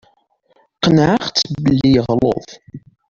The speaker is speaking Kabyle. Qennɛeɣ-t belli yeɣleḍ.